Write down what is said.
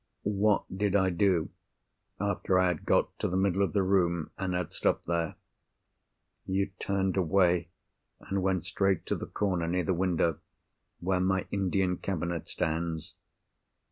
"What did I do, after I had got to the middle of the room, and had stopped there?" "You turned away, and went straight to the corner near the window—where my Indian cabinet stands."